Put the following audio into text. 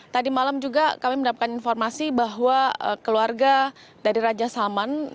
tadi malam juga kami mendapatkan informasi bahwa keluarga dari raja salman